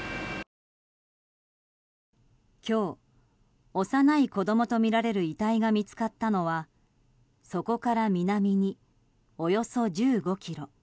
今日、幼い子供とみられる遺体が見つかったのはそこから南におよそ１５ｋｍ。